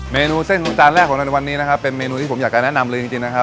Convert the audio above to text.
เมนูเส้นของจานแรกของเราในวันนี้นะครับเป็นเมนูที่ผมอยากจะแนะนำเลยจริงนะครับ